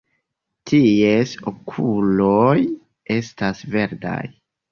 Ties okuloj estas verdaj.